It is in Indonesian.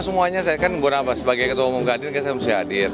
semuanya saya kan beberapa sebagai ketua umum kadin saya mesti hadir